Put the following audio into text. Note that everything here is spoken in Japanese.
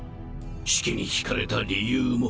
シキに惹かれた理由も。